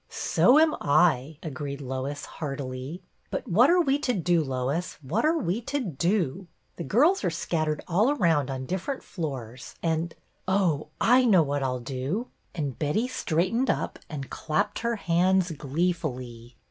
"So am I," agreed Lois, heartily. " But what are we to do, Lois, what are we to do ? The girls are scattered all around on different floors, and — oh, I know what I 'll do !" and Betty straightened up and clapped her hands gleefully.